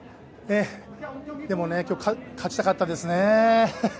でも今日勝ちたかったですね。